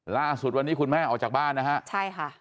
ล่าสุดวันนี้คุณแม่ออกจากบ้านนะฮะใช่ค่ะ